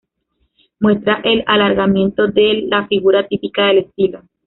Muestra el alargamiento de la figura típica del estilo.